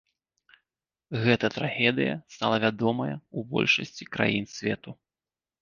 Гэта трагедыя стала вядомая ў большасці краін свету.